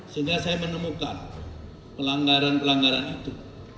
sehingga saya menemukan pelanggaran pelanggaran itu